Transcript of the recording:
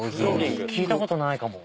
聞いたことないかも。